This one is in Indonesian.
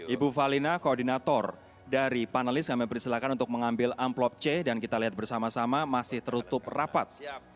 ibu falina koordinator dari panelis kami persilakan untuk mengambil amplop c dan kita lihat bersama sama masih tertutup rapat